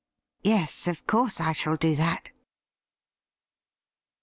' Yes, of course I shall do that.'